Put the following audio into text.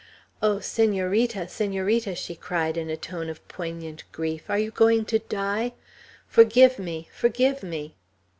"Oh, Senorita! Senorita!" she cried, in a tone of poignant grief, "are you going to die? Forgive me, forgive me!"